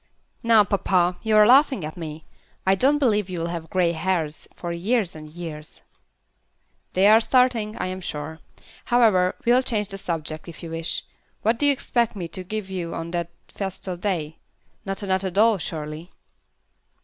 "Now, papa, you are laughing at me. I don't believe you'll have grey hairs for years and years." "They are starting, I am sure. However, we'll change the subject, if you wish. What do you expect me to give you on that festal day? Not another doll, surely?"